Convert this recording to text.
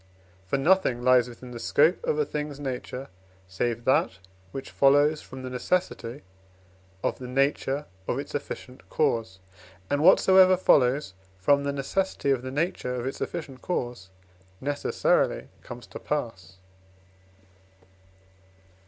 For nothing lies within the scope of a thing's nature, save that which follows from the necessity of the nature of its efficient cause, and whatsoever follows from the necessity of the nature of its efficient cause necessarily comes to pass.